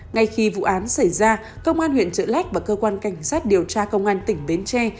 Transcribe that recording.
ngay khi vụ án xảy ra công an huyện trợ lách và cơ quan cảnh sát điều tra công an tỉnh bến tre